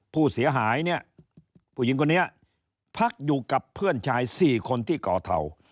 ผู้เสียหายเนี่ยผู้หญิงคนนี้พักอยู่กับเพื่อนชาย๔คนที่ก่อเทา